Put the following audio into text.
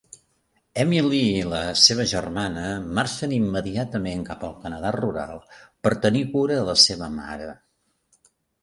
Emily i la seva germana marxen immediatament cap al Canadà rural per tenir cura de la seva mare.